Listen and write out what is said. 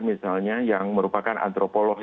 misalnya yang merupakan antropolog